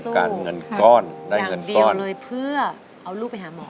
ต้องการเงินก้อนอย่างเดียวเลยเพื่อเอาลูกไปหาหมอ